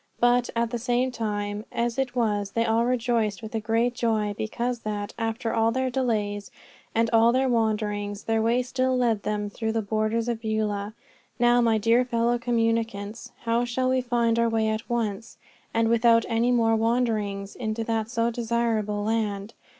But, at the same time, as it was, they all rejoiced with a great joy because that, after all their delays and all their wanderings, their way still led them through the borders of Beulah. Now, my dear fellow communicants, how shall we find our way at once, and without any more wanderings, into that so desirable land?